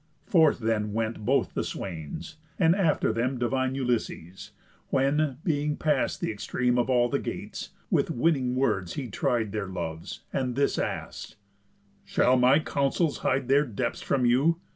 Forth then went both the swains, and after them Divine Ulysses; when, being past th' extreme Of all the gates, with winning words he tried Their loves, and this ask'd: "Shall my counsels hide Their depths from you?